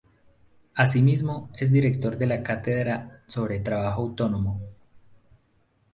Asimismo es director de la Cátedra sobre Trabajo Autónomo.